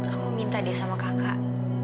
aku minta deh sama kakak